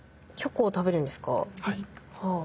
はい。